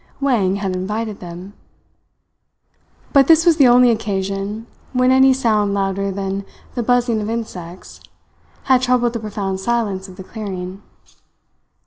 Wang had invited them. But this was the only occasion when any sound louder than the buzzing of insects had troubled the profound silence of the clearing.